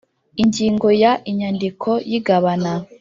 Ingingo Ya Inyandiko Y Igabana